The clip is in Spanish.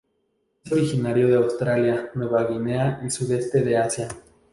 Es originario de Australia, Nueva Guinea y sudeste de Asia.